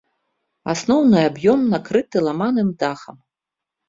Асноўны аб'ём накрыты ламаным дахам.